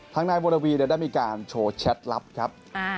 ทางนายวรวีได้มีการโชว์แชทลับครับ